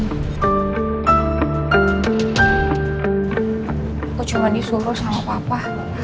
aku cuma disuruh sama papa